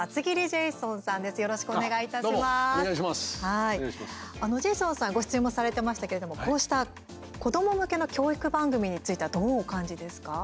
ジェイソンさんご出演もされてましたけれども、こうした子ども向けの教育番組についてはどうお感じですか。